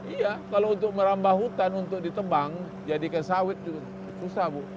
iya kalau untuk merambah hutan untuk ditebang jadikan sawit juga susah bu